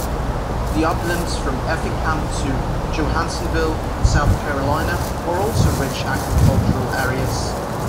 The uplands from Effingham to Johnsonville, South Carolina are also rich agricultural areas.